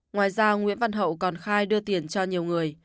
ngoài ra nguyễn văn hậu còn khai đưa tiền cho nhiều người